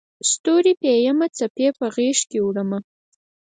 ستوري پېیمه څپې په غیږکې وړمه